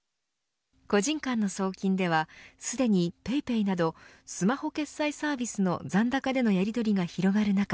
個人間の送金ではすでにＰａｙＰａｙなどスマホ決済サービスの残高でのやりとりが広がる中